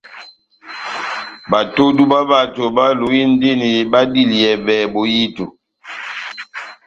Batodu bá bato báluwindini badiliyɛbɛ bohito.